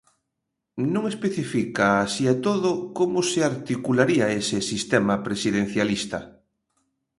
Non especifica, así e todo, como se articularía ese sistema presidencialista.